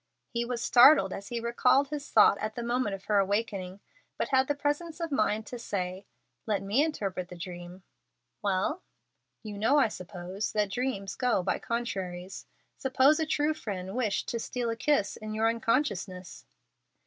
He was startled as he recalled his thought at the moment of her awaking, but had the presence of mind to say, "Let me interpret the dream." "Well." "You know, I suppose, that dreams go by contraries. Suppose a true friend wished to steal a kiss in your unconsciousness."